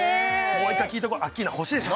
もう一回聞いとこアッキーナ欲しいでしょ？